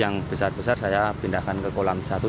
yang besar besar saya pindahkan ke kolam satu